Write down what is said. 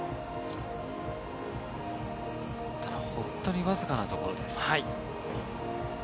本当にわずかなところです。